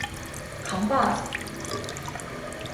扛把子